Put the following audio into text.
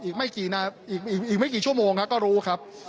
ผมก็ใจจ่อออกก็รู้ครับ